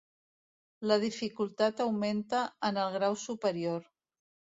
La dificultat augmenta en el grau superior.